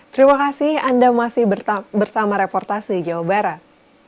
terima kasih anda masih bersama reportasi jawa barat